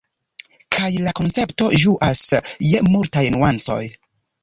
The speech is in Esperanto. Kaj la koncepto ĝuas je multaj nuancoj.